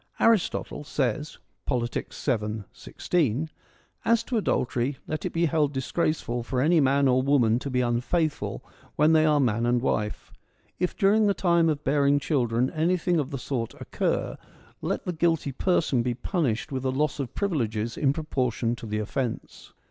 Aristotle says (Politics, 7, 16) : As to adultery, let it be held disgraceful for any man or woman to be unfaithful when they are man and wife. If during the time of bearing children anything of the sort occur, let the guilty person be punished with a loss of privileges in proportion to the offence.